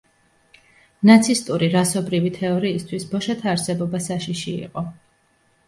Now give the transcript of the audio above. ნაცისტური რასობრივი თეორიისთვის ბოშათა არსებობა საშიში იყო.